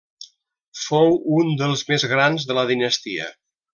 Fou un dels més grans de la dinastia.